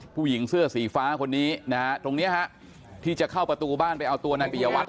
ผู้หญิงเสื้อสีฟ้าคนนี้นะฮะที่จะเข้าประตูบ้านไปเอาตัวนายติเยาวัตร